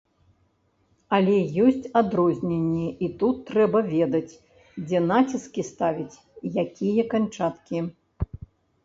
Але ёсць адрозненні, і тут трэба ведаць, дзе націскі ставіць, якія канчаткі.